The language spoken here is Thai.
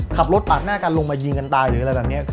ขับรถปาดหน้ากันลงมายิงกันตายหรืออะไรแบบนี้